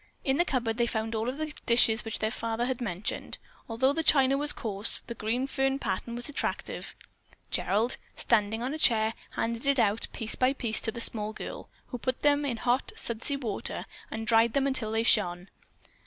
In the cupboard they found all of the dishes which their father had mentioned. Although the china was coarse, the green fern pattern was attractive. Gerald, standing on a chair, handed it out, piece by piece, to the small girl, who put them in hot, sudsy water and then dried them till they shone.